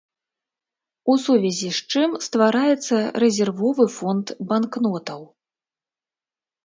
У сувязі з чым ствараецца рэзервовы фонд банкнотаў.